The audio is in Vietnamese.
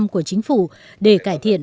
của chính phủ để cải thiện